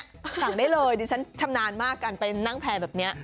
สั่งได้เลยดิฉันชำนาญมากการไปนั่งแพร่แบบนี้